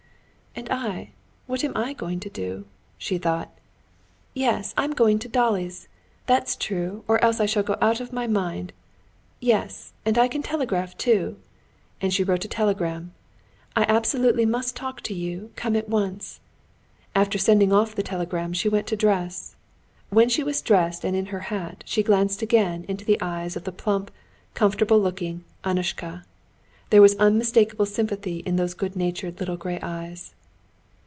"And I, what am I going to do?" she thought. "Yes, I'm going to Dolly's, that's true or else I shall go out of my mind. Yes, and I can telegraph, too." And she wrote a telegram. "I absolutely must talk to you; come at once." After sending off the telegram, she went to dress. When she was dressed and in her hat, she glanced again into the eyes of the plump, comfortable looking Annushka. There was unmistakable sympathy in those good natured little gray eyes.